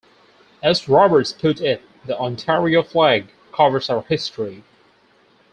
As Robarts put it, the Ontario flag covers our history.